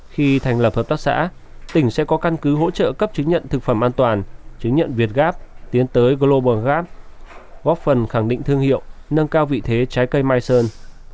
khi thành lập hợp tác xã tỉnh sẽ có căn cứ hỗ trợ cấp chứng nhận thực phẩm an toàn chứng nhận việt gáp tiến tới global gap góp phần khẳng định thương hiệu nâng cao vị thế trái cây mai sơn